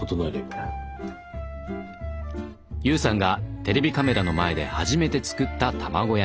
悠さんがテレビカメラの前で初めて作った卵焼き。